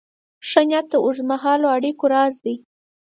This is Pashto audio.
ښه نیت د اوږدمهاله اړیکو راز دی.